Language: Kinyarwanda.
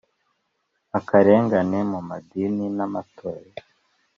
Akarengane mu madini n’amatorero.